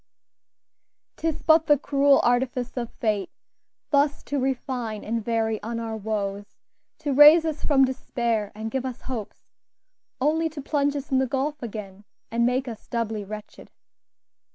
"'Tis but the cruel artifice of fate, Thus to refine and vary on our woes, To raise us from despair and give us hopes, Only to plunge us in the gulf again, And make us doubly wretched."